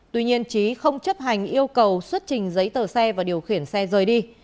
tuy nhiên trí không chấp hành yêu cầu xuất trình giấy tờ xe và điều khiển xe rời đi